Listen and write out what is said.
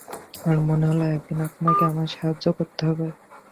আর মনে হলো একদিন আপনাকে আমার সাহায্য করতে হবে।